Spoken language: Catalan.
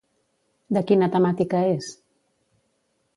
De quina temàtica és?